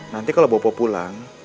nanti kalau bapak pulang